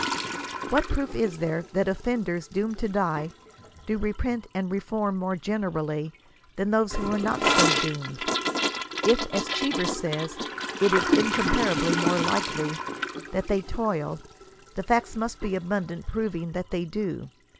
What proof is there that ojQTenders doomed to die, do repent and reform more generally than those who are not so doomed ? If, as Cheever says, it is " incomparably more likely" that they toill, the facts must be abundant proving that they do.